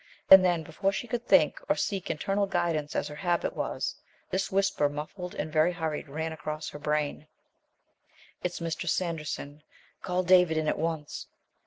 And then, before she could think, or seek internal guidance as her habit was, this whisper, muffled and very hurried, ran across her brain: "It's Mr. Sanderson. Call David in at once!"